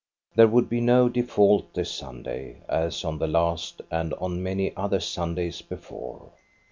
There would be no default this Sunday, as on the last and on many other Sundays before.